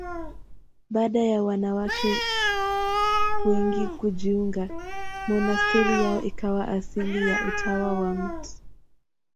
Baada ya wanawake wengine kujiunga, monasteri yao ikawa asili ya Utawa wa Mt.